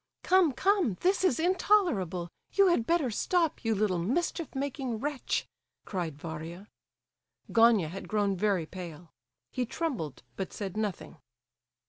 "Come, come! This is intolerable! You had better stop, you little mischief making wretch!" cried Varia. Gania had grown very pale; he trembled, but said nothing.